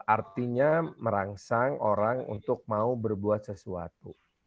artinya merangsang orang untuk mau berbuat sesuatu